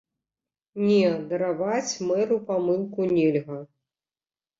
Не, дараваць мэру памылку нельга.